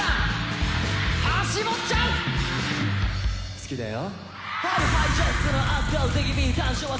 好きだよ。